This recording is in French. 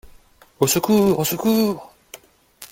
Au secours ! au secours !